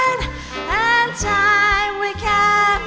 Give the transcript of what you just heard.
สวัสดีครับ